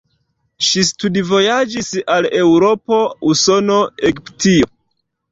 Ŝi studvojaĝis al Eŭropo, Usono, Egiptio.